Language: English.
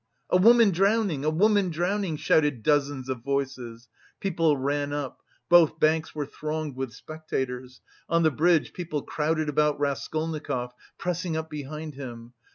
"A woman drowning! A woman drowning!" shouted dozens of voices; people ran up, both banks were thronged with spectators, on the bridge people crowded about Raskolnikov, pressing up behind him.